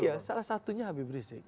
iya salah satunya habib rizik